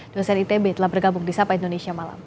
dosen itb telah bergabung di sapa indonesia malam